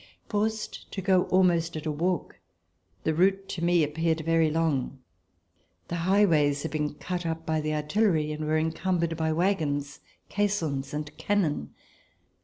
Forced to go almost at a walk, the route to me ap peared very long. The highways had been cut up by the artillery and were encumbered by wagons, caissons and cannon.